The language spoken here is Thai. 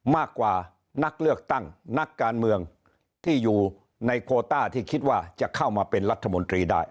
มากกว่านักเลือกตั้งนักการเมืองที่อยู่ในโคต้าที่คิดว่าจะเข้ามาเป็นรัฐมนตรีได้